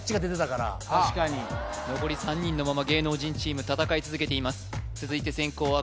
確かに残り３人のまま芸能人チーム戦い続けています続いて先攻